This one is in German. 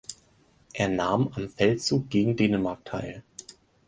Er nahm am Feldzug gegen Dänemark teil.